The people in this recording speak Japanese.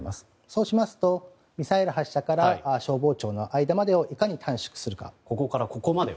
そうしますと、ミサイル発射から消防庁の間までをいかに短縮するか。